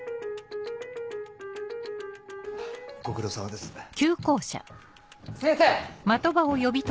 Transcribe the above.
ご苦労さまです。先生！